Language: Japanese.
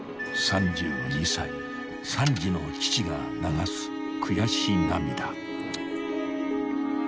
［３２歳３児の父が流す悔し涙］